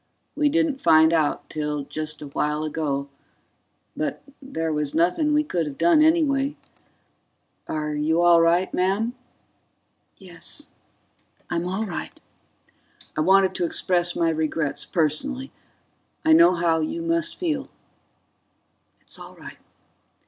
We didn't find out till just a while ago but there was nothing we could have done anyway ... Are you all right, ma'am?" "Yes. I'm all right." "I wanted to express my regrets personally. I know how you must feel." "It's all right."